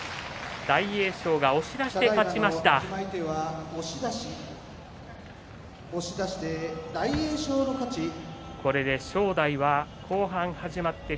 大栄翔が押し出して勝ちました。